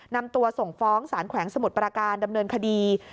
นำตัวส่งฟ้องสารแขวงสมุทรปราการดำเนินคดี